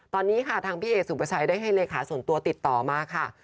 ตอนนี้ค่ะทางพี่เอ๋สุประชัยได้ให้เลขาส่วนตัวติดต่อมาค่ะ